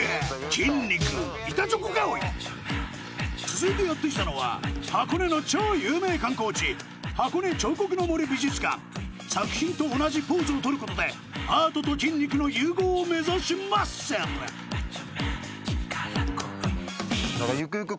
続いてやって来たのは箱根の超有名観光地作品と同じポーズをとることでアートと筋肉の融合を目指しマッスルゆくゆく。